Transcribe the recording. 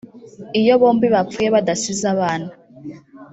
Iyo bombi bapfuye badasize abana